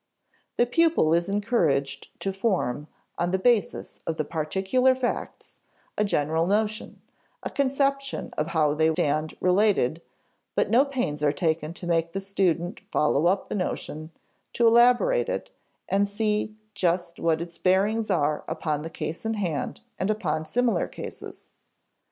The pupil is encouraged to form, on the basis of the particular facts, a general notion, a conception of how they stand related; but no pains are taken to make the student follow up the notion, to elaborate it and see just what its bearings are upon the case in hand and upon similar cases.